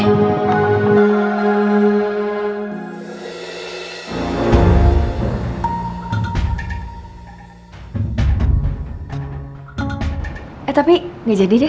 eh tapi gak jadi deh